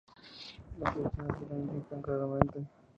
Las fechas así lo indican claramente.